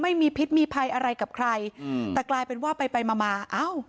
ไม่มีพิษมีภัยอะไรกับใครแต่กลายเป็นว่าไปมา